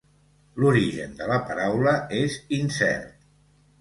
L'origen de la paraula és incert.